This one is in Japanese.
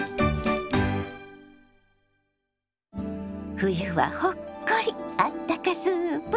「冬はほっこりあったかスープ」。